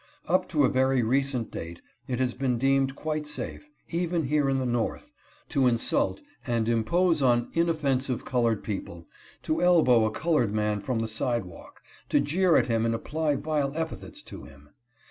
Up to a very recent date it has been deemed quite safe, even here in the North, to insult and impose on inoffensive colored people, to elbow a colored man from the sidewalk, to jeer at him and apply vile epithets to him.